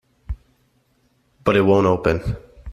But it won't open.